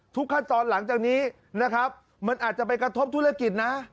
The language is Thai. ทุกขั้นตอนหลังจากนี้มันอาจจะไปกระทบธุรกิจนะ